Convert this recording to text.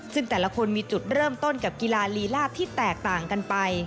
ซึ่งแต่ละคนมีจุดเริ่มต้นกับกีฬาลีลาดที่แตกต่างกันไป